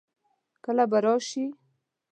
کله به راشي؟